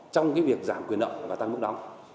trong cái việc giảm quyền đợi và tăng mức đóng